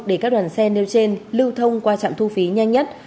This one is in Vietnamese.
để các đoàn xe nêu trên lưu thông qua trạm thu phí nhanh nhất